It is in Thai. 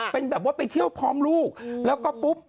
เป็นแบบว่าไปเที่ยวพร้อมลูกแล้วก็ปุ๊บ